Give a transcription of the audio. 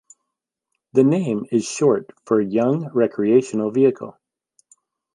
The name is short for "Young Recreational Vehicle".